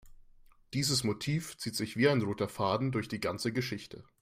Dieses Motiv zieht sich wie ein roter Faden durch die ganze Geschichte.